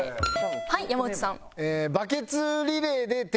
はい山内さん。